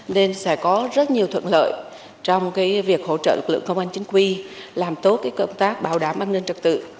nên sẽ có rất nhiều thuận lợi trong việc hỗ trợ lực lượng công an chính quy làm tốt công tác bảo đảm an ninh trật tự